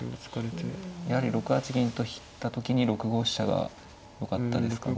やはり６八銀と引いた時に６五飛車がよかったですか